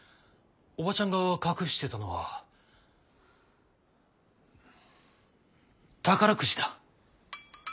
オバチャンが隠してたのは宝くじだ。